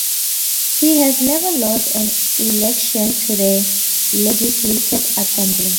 He has never lost an election to the Legislative Assembly.